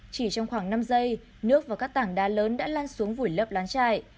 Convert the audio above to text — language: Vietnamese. chỉ trong khoảng năm giây nước và các tảng đá lớn đã lan xuống vủi lấp lán chạy